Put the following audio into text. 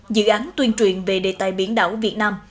dự án tuyên truyền về đề tài biển đảo việt nam